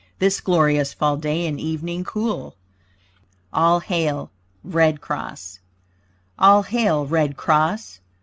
This glorious fall day in evening cool. ALL HAIL RED CROSS All hail Red Cross!